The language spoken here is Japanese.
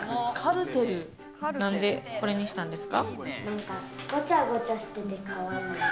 なんで、これにしたんですか？